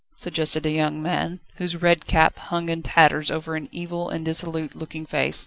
suggested a young man, whose red cap hung in tatters over an evil and dissolute looking face.